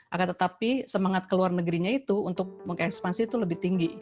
akan tetapi semangat ke luar negerinya itu untuk mengekspansi itu lebih tinggi